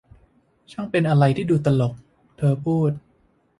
ช่างเป็นอะไรที่ดูตลก ! เธอพูด